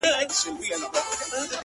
بم دی ټوپکوال ولاړ دي-